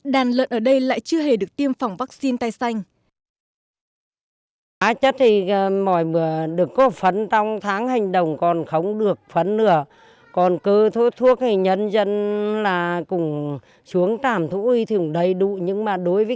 đàn lợn ở đây lại trở thành một trường trại chăn nuôi không được đầu tư đúng mức để đảm bảo điều kiện vệ sinh thú y